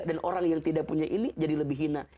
dan orang yang tidak punya ini jadi lebih hina